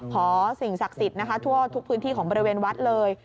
ขอสิ่งศักดิ์สิทธิ์นะคะทั่วทุกพื้นที่ของบริเวณวัดเลย